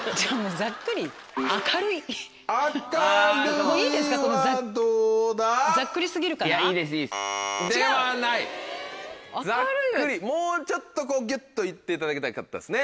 ざっくりもうちょっとこうギュっと行っていただきたかったですね。